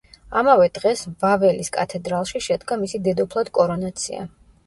ამავე დღეს, ვაველის კათედრალში შედგა მისი დედოფლად კორონაცია.